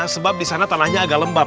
sebab di sana tanahnya agak lembab